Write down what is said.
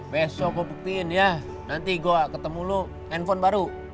besok aku buktiin ya nanti gue ketemu lo handphone baru